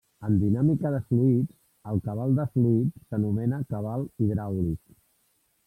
En dinàmica de fluids, el cabal de fluid s'anomena cabal hidràulic.